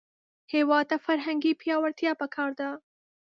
هېواد ته فرهنګي پیاوړتیا پکار ده